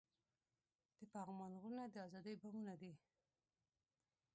د پغمان غرونه د ازادۍ بامونه دي.